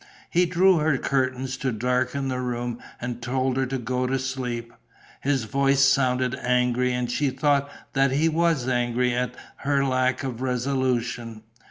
He drew her curtains to darken the room and told her to go to sleep. His voice sounded angry and she thought that he was angry at her lack of resolution.